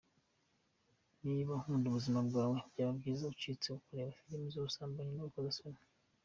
Niba ukunda ubuzima bwawe, byaba byiza ucitse kureba filimi z’ubusambanyi n’urukozasoni.